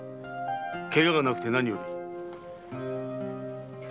ケガがなくて何よりです。